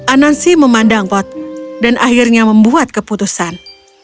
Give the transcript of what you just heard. anansi memandang pot dan akhirnya membuat keputusan